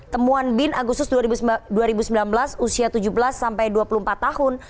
temuan bin agustus dua ribu sembilan belas usia tujuh belas sampai dua puluh empat tahun